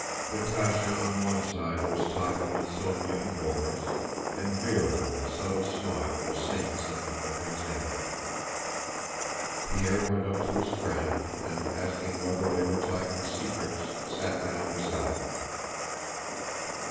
Natásha on one side was talking with Sónya and Borís, and Véra with a subtle smile was saying something to Prince Andrew. Pierre went up to his friend and, asking whether they were talking secrets, sat down beside them.